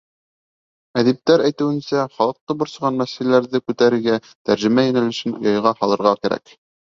Әҙиптәр әйтеүенсә, халыҡты борсоған мәсьәләләрҙе күтәрергә, тәржемә йүнәлешен яйға һалырға кәрәк.